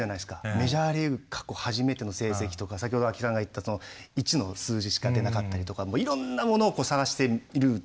メジャーリーグ過去初めての成績とか先ほどＡＫＩさんが言った１の数字しか出なかったりとかいろんなものを探している状況ですよね。